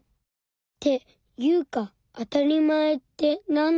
っていうかあたりまえってなんだろう。